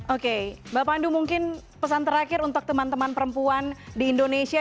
oke mbak pandu mungkin pesan terakhir untuk teman teman perempuan di indonesia